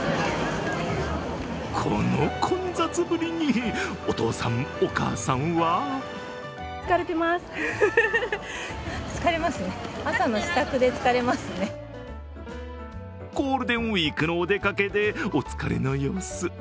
この混雑ぶりにお父さん、お母さんはゴールデンウイークのお出かけでお疲れの様子。